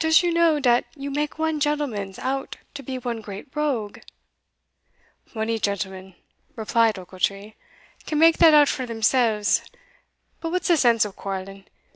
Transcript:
"Does you know dat you make one gentlemans out to be one great rogue?" "Mony gentlemen," replied Ochiltree, "can make that out for themselves But what's the sense of quarrelling?